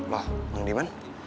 wah mang diman